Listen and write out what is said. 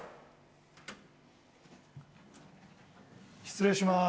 失礼します。